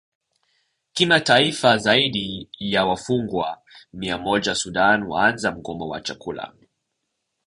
Kimataifa Zaidi ya wafungwa mia moja Sudan waanza mgomo wa chakula